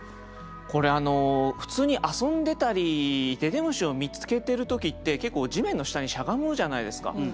これあの普通に遊んでたりでで虫を見つけてる時って結構地面の下にしゃがむじゃないですか。